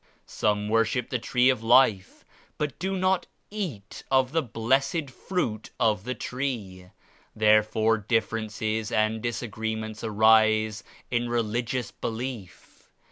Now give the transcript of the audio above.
Some worship the Tree of Life but do not eat of the blessed Fruit of the Tree. Therefore differences and disagreements arise in religious belief.